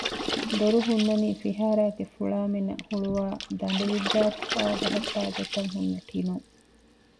ދޮރު ހުންނަނީ ފިހާރައިގެ ފުޅާމިނަށް ހުޅުވައި ދަނޑި ވިއްދާފައި ބަހައްޓާ ގޮތަށް ޓިނުން